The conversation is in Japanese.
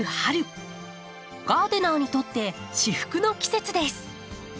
ガーデナーにとって至福の季節です。